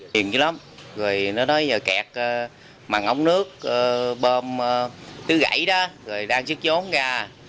tiền chứ lắm rồi nó nói giờ kẹt mặn ống nước bơm tứ gãy đó rồi đang chức giốn ra